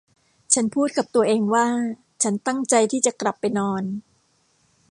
ฉันพูดกับตัวเองว่าฉันตั้งใจที่จะกลับไปนอน